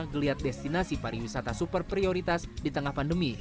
geliat destinasi pariwisata super prioritas di tengah pandemi